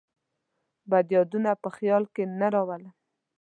بد یادونه په خیال کې نه راولم.